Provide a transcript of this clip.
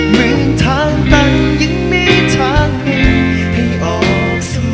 เมืองทางตันยังมีทางให้ออกเสมอ